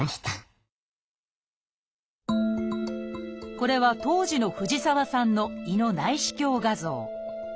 これは当時の藤沢さんの胃の内視鏡画像。